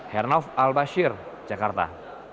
hernauf al bashir jakarta